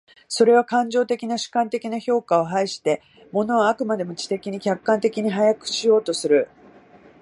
それは感情的な主観的な評価を排して、物を飽くまでも知的に客観的に把握しようとする。